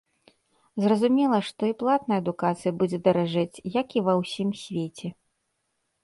Зразумела, што і платная адукацыя будзе даражэць, як і ва ўсім свеце.